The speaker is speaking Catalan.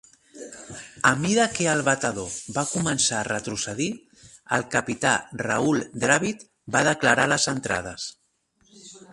A mida que el batedor va començar a retrocedir, el capità Rahul Dravid va declarar les entrades.